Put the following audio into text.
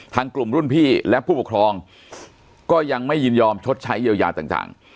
ทางกลุ่มรุ่นพี่และผู้ปกครองก็ยังไม่ยินยอมชดใช้เยียวยาต่าง